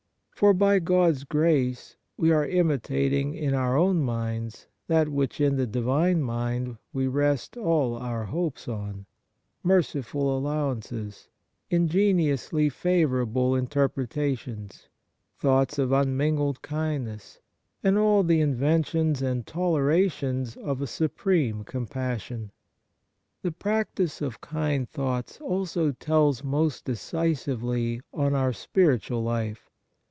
For by God's grace we are imitating in our own minds that which in the Divine Mind w^e rest all our hopes on — merciful allowances, ingeniously favour able interpretations, thoughts of unmingled kindness, and all the inventions and tolera tions of a supreme compassion. The practice of kind thoughts also tells most decisively on our spiritual life.